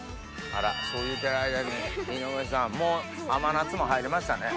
あらそう言うてる間に井上さんもう甘夏も入りましたね。